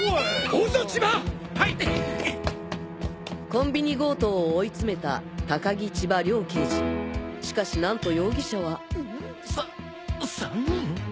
コンビニ強盗を追い詰めた高木・千葉両刑事しかしなんと容疑者はさ３人？